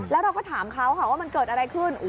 แล้วเราก็ถามเขาค่ะว่ามันเกิดอะไรขึ้น